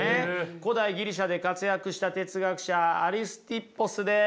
古代ギリシャで活躍した哲学者アリスティッポスです。